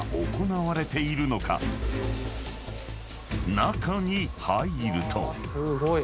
［中に入ると］